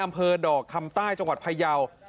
อำเภอดอกคำใต้จังหวัดพยาว